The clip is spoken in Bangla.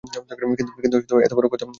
কিন্তু এতো বড় কথা লুকালে!